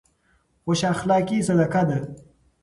خوش اخلاقي صدقه ده.